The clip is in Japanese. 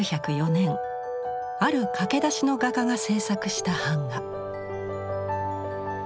１９０４年ある駆け出しの画家が制作した版画。